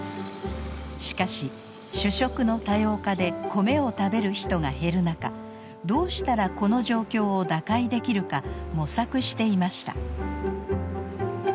しかし主食の多様化で米を食べる人が減る中どうしたらこの状況を打開できるか模索していました。